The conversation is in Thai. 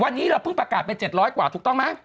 วันนี้เราเพิ่งประกาศไป๗๐๐กว่าถูกต้องไหม